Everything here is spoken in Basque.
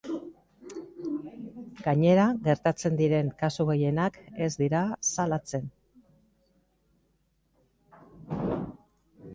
Gainera, gertatzen diren kasu gehienak ez dira salatzen.